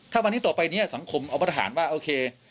ถ้าวันนี้ต่อไปเนี่ยสังคมเอาปฏิหารว่าโอเค